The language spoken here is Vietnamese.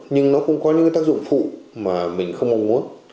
nhưng nó cũng có những tác dụng phụ mà mình không mong muốn